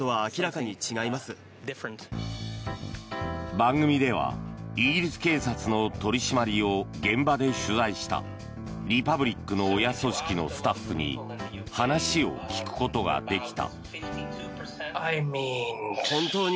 番組では、イギリス警察の取り締まりを現場で取材したリパブリックの親組織のスタッフに話を聞くことができた。